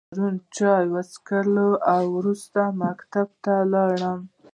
ما پرون چای وچیښلی او وروسته مکتب ته ولاړم